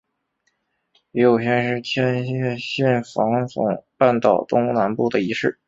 夷隅市是千叶县房总半岛东南部的一市。